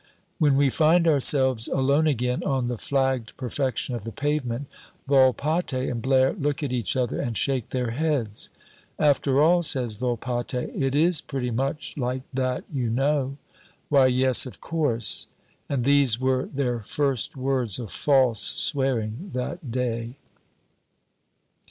When we find ourselves alone again on the flagged perfection of the pavement, Volpatte and Blaire look at each other and shake their heads. "After all," says Volpatte, "it is pretty much like that you know!" "Why, yes, of course!" And these were their first words of false swearing that day.